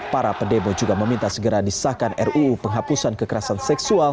para pendemo juga meminta segera disahkan ruu penghapusan kekerasan seksual